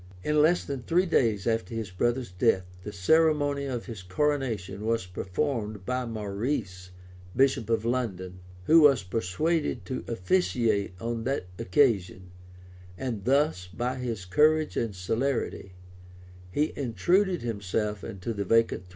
In less than three days after his brother's death, the ceremony of his coronation was performed by Maurice, bishop of London, who was persuaded to officiate on that occasion;[] and thus, by his courage and celerity, he intruded himself into the vacant throne.